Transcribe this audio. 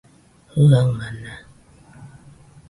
Jiaɨamana